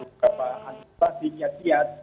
kita bisa dikiat kiat